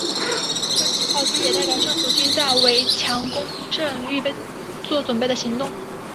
这起炮击也代表政府军在为强攻城镇预作准备的行动。